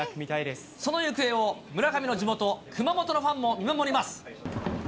その行方を村上の地元、熊本のファンも見守ります。